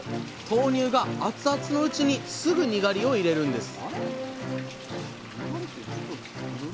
豆乳が熱々のうちにすぐにがりを入れるんです